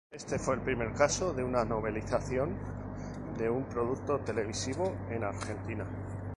Este fue el primer caso de una novelización de un producto televisivo en Argentina.